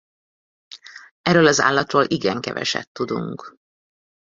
Erről az állatról igen keveset tudunk.